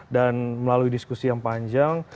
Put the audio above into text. melalui diskusi yang panjang